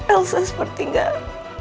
elsa seperti gak